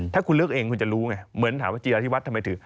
ถ้าคุณเลือกเองคุณจะรู้ไงเหมือนถามว่าจีราธิวัฒน์ทำไมถือ